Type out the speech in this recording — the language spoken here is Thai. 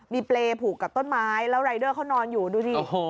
มีเปรย์ผูกกับต้นไม้แล้วรายเดอร์เขานอนอยู่ดูสิ